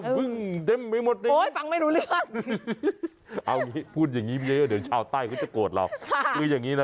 เก็บไหนอ่ะ